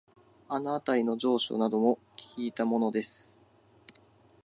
あのあたりの情緒などをきいたものです